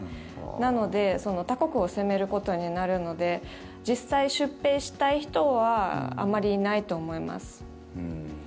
なので他国を攻めることになるので実際、出兵したい人はあまりいないと思います。